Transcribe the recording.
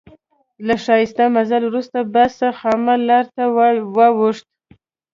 له ښایسته مزل وروسته بس خامه لارې ته واوښت.